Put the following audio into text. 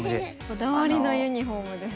こだわりのユニフォームですね。